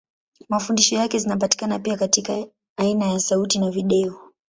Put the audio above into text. Mafundisho yake zinapatikana pia katika aina ya sauti na video.